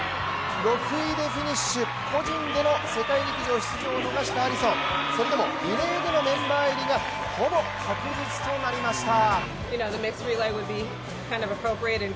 ６位でフィニッシュ、個人での世界陸上出場を逃したアリソン、それでもリレーでのメンバー入りがほぼ確実となりました。